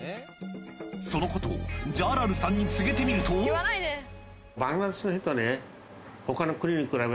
そのことをジャラルさんに告げてみるとやっぱり。